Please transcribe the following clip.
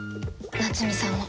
夏美さんの。